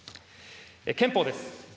憲法です。